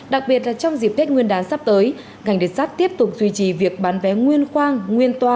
đặc biệt là trong dịp hết nguyên đán sắp tới ngành đường sắt tiếp tục duy trì việc bán vé nguyên khoang